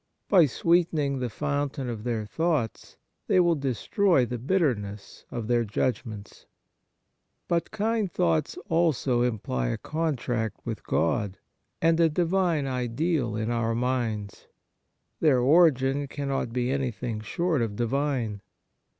By sweetening the fountain of their thoughts they will destroy the bitterness of their judgments. But kind thoughts imply also a contact with God, and a Divine ideal in our minds. Their origin cannot be anything short of Divine.